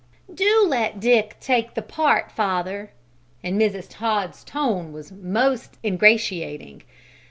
"Do let Dick take the part, father," and Mrs. Todd's tone was most ingratiating.